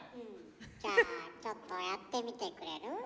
じゃあちょっとやってみてくれる？